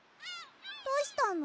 どうしたの？